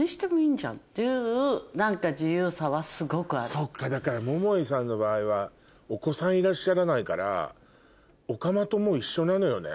そっかだから桃井さんの場合はお子さんいらっしゃらないからオカマともう一緒なのよね。